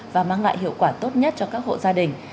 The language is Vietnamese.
và mang lại hiệu quả tốt nhất cho các hộ gia đình